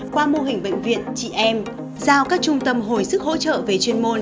qua mô hình bệnh viện chị em giao các trung tâm hồi sức hỗ trợ về chuyên môn